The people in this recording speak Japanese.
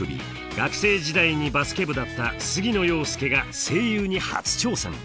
学生時代にバスケ部だった杉野遥亮が声優に初挑戦。